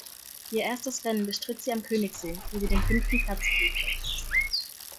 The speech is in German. Ihr erstes Rennen bestritt sie am Königssee, wo sie den fünften Platz belegte.